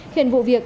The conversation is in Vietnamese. khiến vụ việc